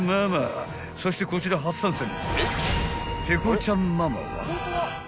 ［そしてこちら初参戦ペコちゃんママは］